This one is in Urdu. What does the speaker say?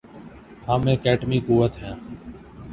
ہم ایک ایٹمی قوت ہیں۔